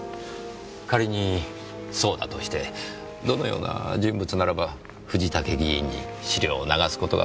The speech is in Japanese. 仮にそうだとしてどのような人物ならば藤竹議員に資料を流す事が可能だとお考えですか？